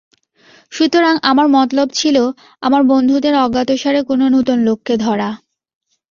সুতরাং আমার মতলব ছিল, আমার বন্ধুদের অজ্ঞাতসারে কোন নূতন লোককে ধরা।